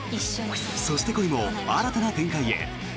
そして、恋も新たな展開へ。